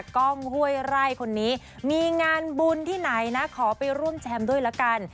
กล้องห้วยไร่คนนี้มีงานบุญที่ไหนนะขอไปร่วมแชมด้วยละกัน